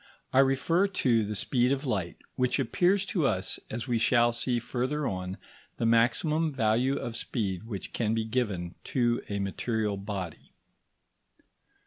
I refer to the speed of light, which appears to us, as we shall see further on, the maximum value of speed which can be given to a material body.